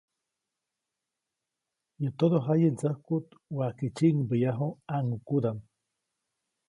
Yäʼ todojaye ndsäjkuʼt waʼajke tsyiʼŋbäyaju ʼãŋʼukudaʼm.